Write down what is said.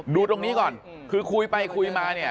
ดูตรงนี้ก่อนคือคุยไปคุยมาเนี่ย